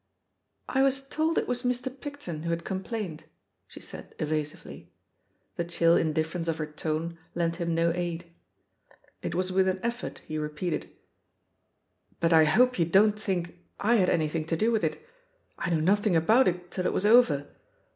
"I was told it was Mr. Picton who had com plained," she said evasively. The chill indiffer ence of her tone lent him no aid. It was with an effort he repeated : *'But I hope you don't think I had anything to do with it? I knew nothing about it tiU it was over.